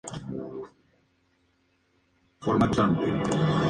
Estas son las dos únicas vías de comunicación accesible para todo tipo de vehículos.